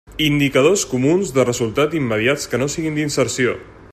Indicadors comuns de resultat immediats que no siguin d'inserció.